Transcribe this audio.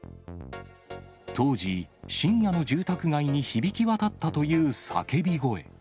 当時、深夜の住宅街に響き渡ったという叫び声。